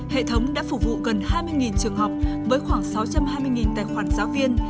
hệ thống đã phục vụ gần hai mươi trường học với khoảng sáu trăm hai mươi tài khoản giáo viên